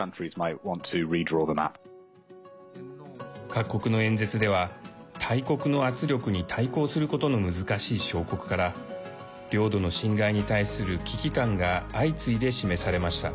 各国の演説では大国の圧力に対抗することの難しい小国から領土の侵害に対する危機感が相次いで示されました。